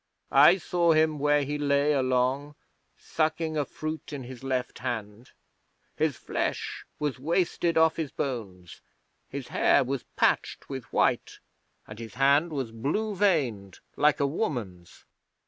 I saw him where he lay along, sucking a fruit in his left hand. His flesh was wasted off his bones, his hair was patched with white, and his hand was blue veined like a woman's.